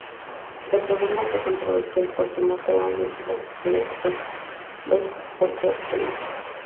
El programa fue controversial porque mostraba muchos de los estereotipos de los puertorriqueños.